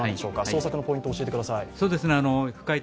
捜索のポイントを教えてください。